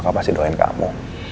dan tani dan aku